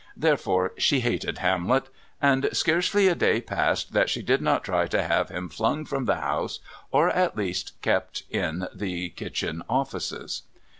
Therefore, she hated Hamlet, and scarcely a day passed that she did not try to have him flung from the house, or at least kept in the kitchen offices.